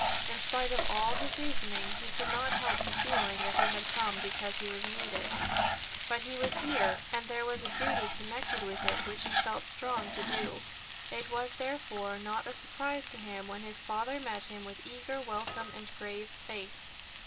In spite of all his reasoning, he could not help the feeling that he had come because he was needed, but he was here, and there was a duty connected with it which he felt strong to do. It was therefore not a surprise to him when his father met him with eager welcome and a grave face.